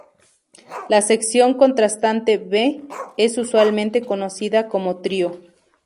La sección contrastante B es usualmente conocida como 'Trío'.